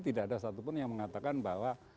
tidak ada satupun yang mengatakan bahwa